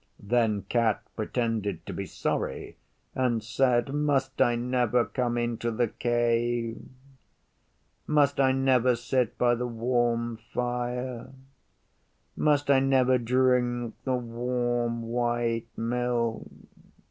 Then Cat pretended to be sorry and said, 'Must I never come into the Cave? Must I never sit by the warm fire? Must I never drink the warm white milk?